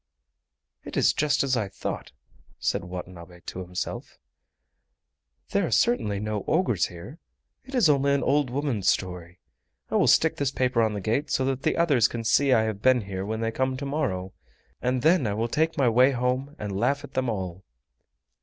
"It is just as I thought," said Watanabe to himself; "there are certainly no ogres here; it is only an old woman's story. I will stick this paper on the gate so that the others can see I have been here when they come to morrow, and then I will take my way home and laugh at them all."